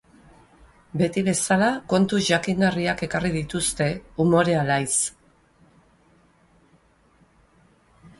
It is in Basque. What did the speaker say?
Beti bezala kontu jakingarriak ekarri dituzte, umore alaiz.